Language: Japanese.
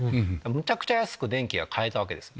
むちゃくちゃ安く電気が買えたわけですよ。